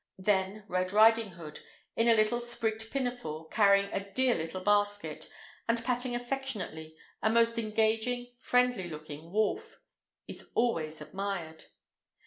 Then Red Riding Hood, in a little sprigged pinafore, carrying a dear little basket, and patting affectionately a most engaging, friendly looking wolf, is always admired.